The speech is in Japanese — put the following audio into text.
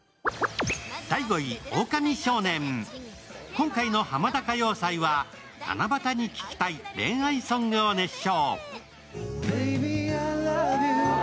今回の「ハマダ歌謡祭」は七夕に聴きたい恋愛ソングを熱唱。